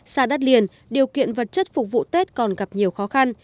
xa đất liền điều kiện vật chất phục vụ tết còn gặp nhiều khó khăn